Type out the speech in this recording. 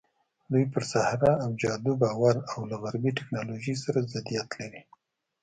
دوی پر سحر او جادو باور او له غربي ټکنالوژۍ سره ضدیت لري.